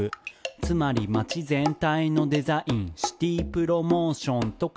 「つまり街全体のデザイン」「シティープロモーションとか呼ばれてる」